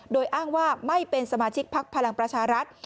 โดยอ้างว่าไม่เป็นสมาชิกพักพลังประชารัฐ